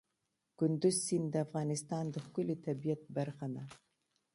کندز سیند د افغانستان د ښکلي طبیعت برخه ده.